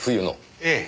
ええ。